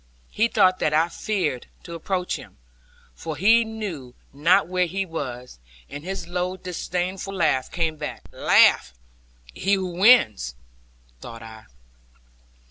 He thought that I feared to approach him, for he knew not where he was: and his low disdainful laugh came back. 'Laugh he who wins,' thought I.